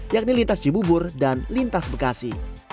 yakni lintas cibubur dan lintas bekasi